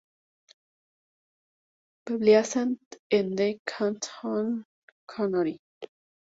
Pleasant en "The Cat and the Canary".